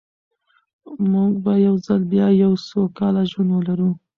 موږ به یو ځل بیا یو سوکاله ژوند ولرو.